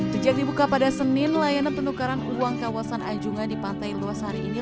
terjadi buka pada senin layanan penukaran uang kawasan anjunga di pantai luas hari ini